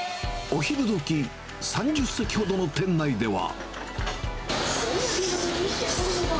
お昼どき、３０席ほどの店内では。